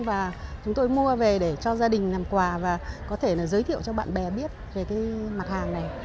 và chúng tôi mua về để cho gia đình làm quà và có thể là giới thiệu cho bạn bè biết về cái mặt hàng này